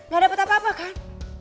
gak dapat apa apa kan